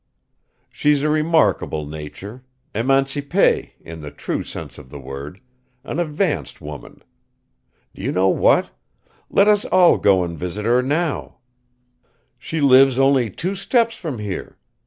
She's a remarkable nature, émancipeé in the true sense of the word, an advanced woman. Do you know what? Let us all go and visit her now. She lives only two steps from here .